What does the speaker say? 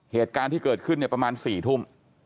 เหตุการณ์ที่เกิดขึ้นประมาณ๔ทุ่ม